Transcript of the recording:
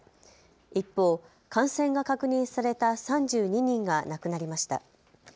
一方、感染が確認された３２人が亡くなりました。